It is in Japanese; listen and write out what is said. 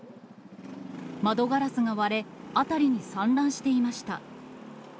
窓ガラスが割れ、辺りに散乱していました。